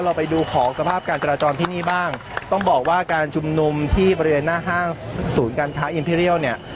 ไปดูของสภาพการจราจรที่นี่บ้างต้องบอกว่าการชุมนุมที่บริเวณหน้าห้างศูนย์การค้าอินเพรียลเนี่ย